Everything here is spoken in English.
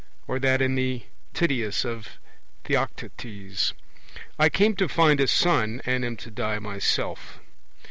Or that in the Tydeus of Theodectes: 'I came to find a son, and am to die myself.'